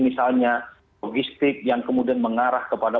misalnya logistik yang kemudian mengarah kepada